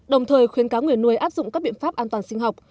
đồng thời khuyến cáo người nuôi áp dụng các biện pháp an toàn sinh học